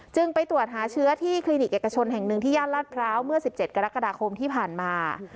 ไปตรวจหาเชื้อที่คลินิกเอกชนแห่งหนึ่งที่ย่านลาดพร้าวเมื่อ๑๗กรกฎาคมที่ผ่านมา